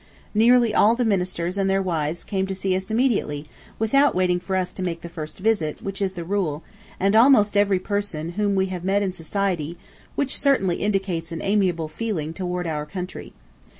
Nearly all the ministers and their wives came to see us immediately, without waiting for us to make the first visit, which is the rule, and almost every person whom we have met in society, which certainly indicates an amiable feeling toward our country.